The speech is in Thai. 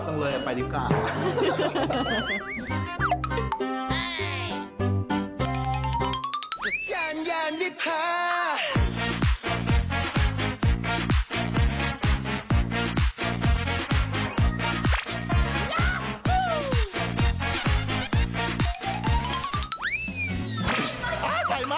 จีบได้แฟนฉันไปแล้ว